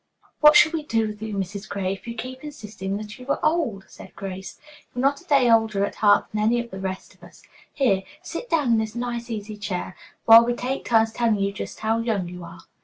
"What shall we do with you, Mrs. Gray, if you keep on insisting that you are old?" said Grace. "You're not a day older at heart than any of the rest of us. Here, sit down in this nice, easy chair, while we take turns telling you just how young you are."